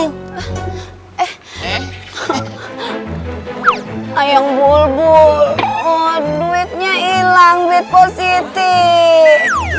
eh eh ayam bulbul oh duitnya hilang bit positive